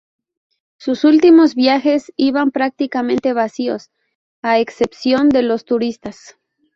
Sus últimos viajes iban prácticamente vacíos, a excepción de los turistas.